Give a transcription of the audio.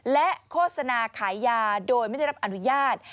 และโฆษณาขายยาโดยไม่ได้รับอนุญาต